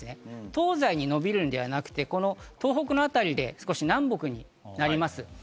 東西に延びるのではなく、この東北のあたりで少し南北になります。